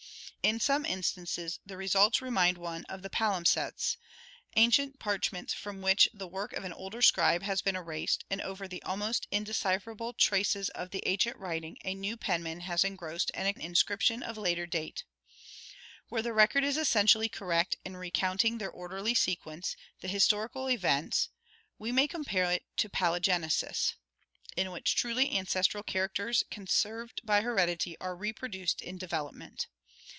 In some instances the results remind one of the palimpsests — ancient parchments from which the work of an older scribe has been erased and over the almost indecipherable traces of the ancient writing a new pen man has engrossed an inscription of later date. Where the record is essentially correct in recounting in their orderly sequence the historical events, we may compare it to palingenesis (Gr. irdkiv, again, and yev€o is9 production), in which truly ancestral charac ters conserved by heredity are reproduced in development.